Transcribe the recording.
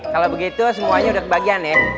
kalau begitu semuanya sudah kebagian ya